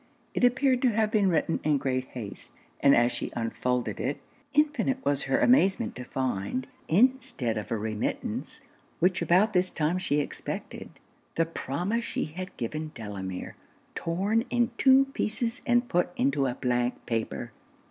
It appeared to have been written in great haste; and as she unfolded it, infinite was her amazement to find, instead of a remittance, which about this time she expected, the promise she had given Delamere, torn in two pieces and put into a blank paper.